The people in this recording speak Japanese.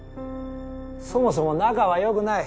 そもそも仲は良くない。